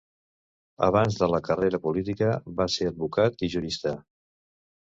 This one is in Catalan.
Abans de la carrera política, va ser advocat i jurista.